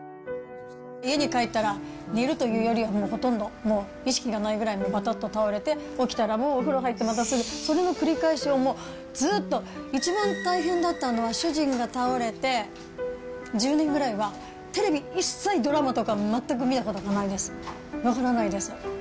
家に帰ったら、寝るというよりはもうほとんど、意識がないぐらいにばたっと倒れて、起きたらもうお風呂入って、またすぐ、その繰り返しをもう、ずっと、一番大変だったのは、主人が倒れて１０年ぐらいは、テレビ一切、ドラマとか全く見たことがないです。